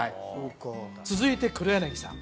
続いて黒柳さん